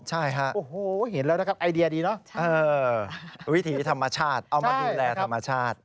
ใช่ฮะโอ้โหเห็นแล้วนะครับไอเดียดีเนอะวิถีธรรมชาติเอามาดูแลธรรมชาติ